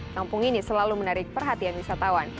kampung ini selalu menarik perhatian wisatawan